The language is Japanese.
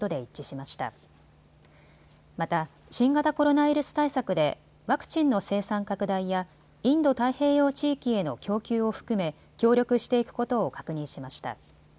また、新型コロナウイルス対策でワクチンの生産拡大やインド太平洋地域への供給を含め協力していくことを確認しました。